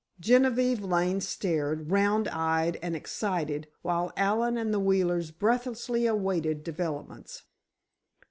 Genevieve Lane stared, round eyed and excited, while Allen and the Wheelers breathlessly awaited developments.